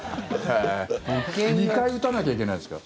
２回打たなきゃいけないんですか？